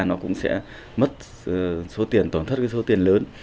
nó cũng sẽ mất số tiền tổn thất cái số tiền lớn